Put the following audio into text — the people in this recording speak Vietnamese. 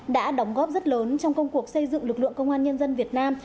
đã đóng góp rất lớn trong công cuộc xây dựng lực lượng công an nhân dân việt nam